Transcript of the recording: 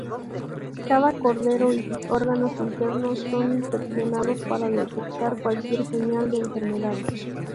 Cada cordero y sus órganos internos son inspeccionados para detectar cualquier señal de enfermedad.